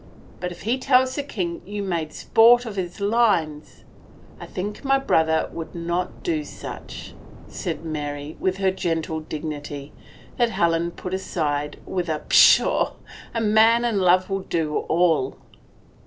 " But if he tells the king you made sport of his lines ?"" I think my brother would not do such," said Mary with her gentle dignity, that Helen put aside with a Pshaw — a man in love will do all."